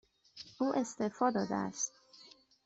او استعفا داده است.